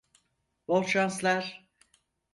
Bol şanslar.